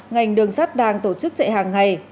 ngành đường sắt đang tổ chức chạy hàng ngày